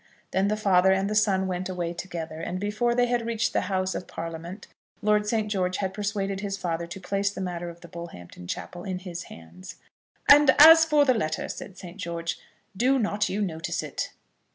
Then the father and the son went away together, and before they had reached the Houses of Parliament Lord St. George had persuaded his father to place the matter of the Bullhampton chapel in his hands. "And as for the letter," said St. George, "do not you notice it."